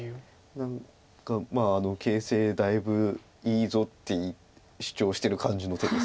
何か形勢だいぶいいぞって主張してる感じの手です。